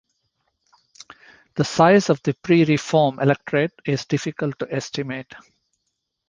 The size of the pre-Reform electorate is difficult to estimate.